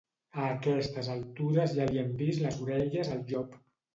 A aquestes altures ja li hem vist les orelles al llop.